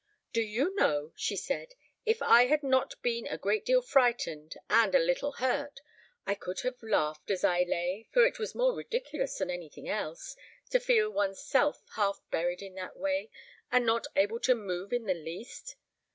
"Do you know," she said, "if I had not been a great deal frightened and a little hurt, I could have laughed as I lay; for it was more ridiculous than anything else, to feel one's self half buried in that way, and not able to move in the least.